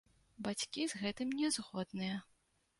Бацькі з гэтым не згодныя.